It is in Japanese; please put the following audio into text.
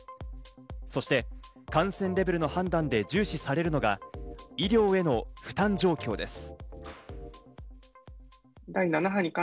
そして感染レベルの判断で重視されるのが医療への負担状況です。